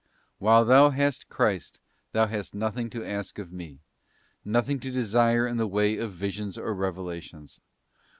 While thou hast Christ thou hast nothing to ask of Me, nothing to desire in the way of visions or revelations.